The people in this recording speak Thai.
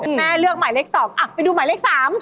แม่เลือกหมายเลข๒ไปดูหมายเลข๓